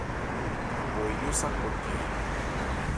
Bɔ eyó sâ kɔcn a.